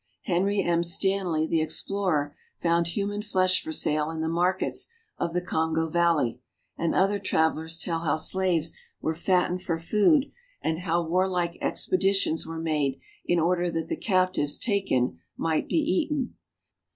Henry M. Stanley, the explorer, found human flesh for sale in the markets of the Kongo valley, and other travelers tell how slaves were fattened for food and how warlike expeditions were made in order that the captives taken might be eaten.